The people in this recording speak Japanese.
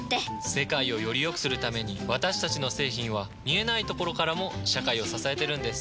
世界をよりよくするために私たちの製品は見えないところからも社会を支えてるんです。